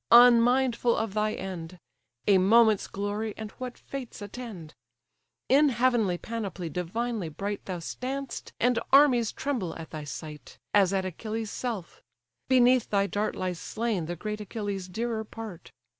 unmindful of thy end! A moment's glory; and what fates attend! In heavenly panoply divinely bright Thou stand'st, and armies tremble at thy sight, As at Achilles' self! beneath thy dart Lies slain the great Achilles' dearer part.